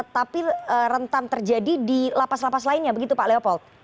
tapi rentan terjadi di lapas lapas lainnya begitu pak leopold